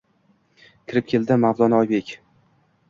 Kirib keldi mavlono Oybek!